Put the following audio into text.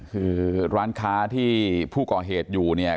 คือร้านค้าที่ผู้ก่อเหตุอยู่เนี่ย